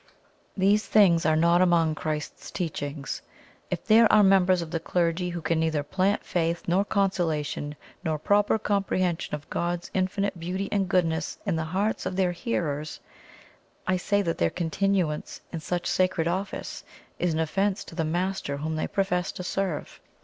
These things are not among Christ's teachings. If there are members of the clergy who can neither plant faith, nor consolation, nor proper comprehension of God's infinite Beauty and Goodness in the hearts of their hearers, I say that their continuance in such sacred office is an offence to the Master whom they profess to serve.